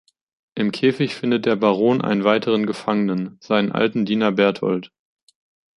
Im Käfig findet der Baron einen weiteren Gefangenen: seinen alten Diener Bertold.